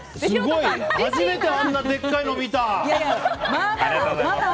初めてあんなでっかいの見た！